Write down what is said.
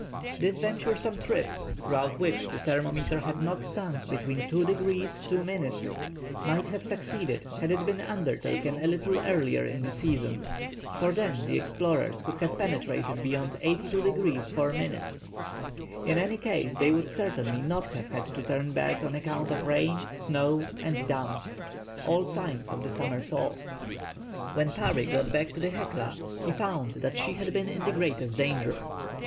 This venturesome trip, throughout which the thermometer had not sunk beneath 2 degrees 2, might have succeeded had it been undertaken a little earlier in the season, for then the explorers could have penetrated beyond 82 degrees 4 minutes. In any case they would certainly not have had to turn back on account of rain, snow, and damp, all signs of the summer thaw. When Parry got back to the Hecla, he found that she had been in the greatest danger.